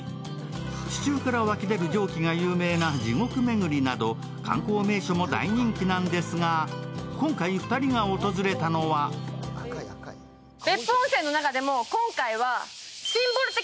地中から湧き出る蒸気が有名な地獄めぐりなど観光名所も大人気なんですが、今回２人が訪れたのはすごいよね。